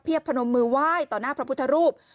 พนมมือไหว้ต่อหน้าพระพุทธรูป